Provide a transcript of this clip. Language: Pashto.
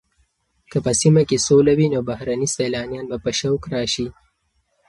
که په سیمه کې سوله وي نو بهرني سېلانیان به په شوق راشي.